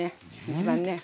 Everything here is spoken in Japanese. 一番ね。